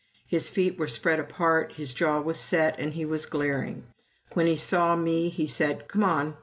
His feet were spread apart, his jaw was set, and he was glaring. When he saw me he said, "Come on!"